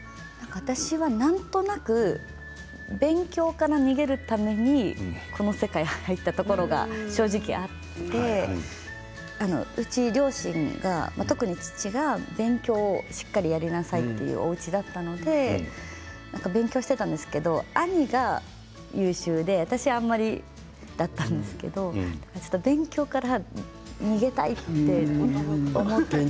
私が、なんとなく勉強から逃げるためにこの世界に入ったところが正直あってうちは両親が特に父親が勉強をしっかりやりなさいというおうちだったので勉強していたんですけど兄が優秀で私があんまりだったので勉強から逃げたいと思っていて。